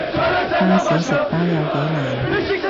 巴士食包有幾難